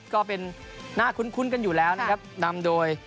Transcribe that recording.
ก็เป็นหน้าคุ้นกันอยู่แล้วนะครับนำโดย